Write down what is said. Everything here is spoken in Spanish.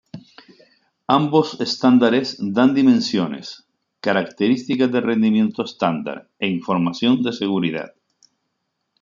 Ambos estándares dan dimensiones, características de rendimiento estándar, e información de seguridad.